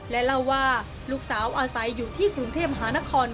และเล่าว่าลูกสาวอาศัยอยู่ที่กรุงเทพมหานคร